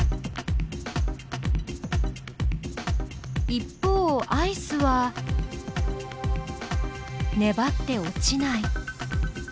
一方アイスはねばって落ちない。